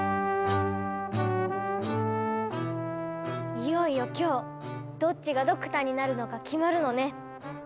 いよいよ今日どっちがドクターになるのか決まるのね。